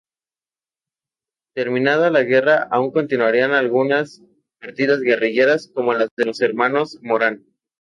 Terminada la guerra aún continuarían algunas partidas guerrilleras como las de los hermanos Morán.